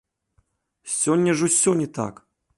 Сёння ж усё не так!